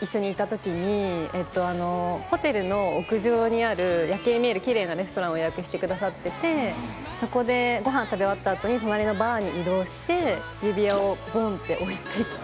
ホテルの屋上にある夜景が見えるキレイなレストランを予約してくださっててそこでごはん食べ終わった後に隣のバーに移動して指輪をボン！って置いて来て。